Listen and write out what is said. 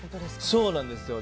そうなんですよ。